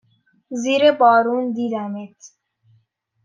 زیر بارون دیدمت